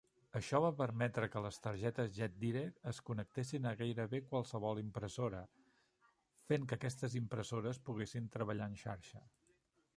Això va permetre que les targetes Jetdirect es connectessin a gairebé qualsevol impressora, fent que aquestes impressores poguessin treballar en xarxa.